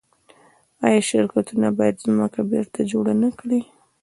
آیا شرکتونه باید ځمکه بیرته جوړه نکړي؟